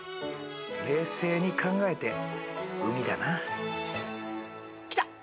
冷静に考えて海だな。来た！